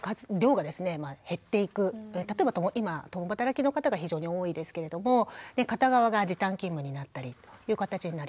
例えば今共働きの方が非常に多いですけれども片側が時短勤務になったりという形になります。